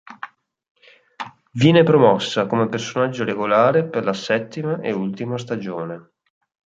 Viene promossa come personaggio regolare per la settima e ultima stagione.